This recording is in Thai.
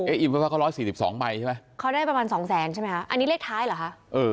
เอ๊ะอิมฟ้าก็๑๔๒ใบใช่ไหมข้าวได้ประมาณ๒๐๐ใช่ไหมฮะอันนี้เลขท้ายหรอฮะ